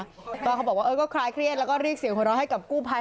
ก็เขาบอกว่าเออก็คล้ายเครียดแล้วก็เรียกเสียงหัวเราะให้กับกู้ภัย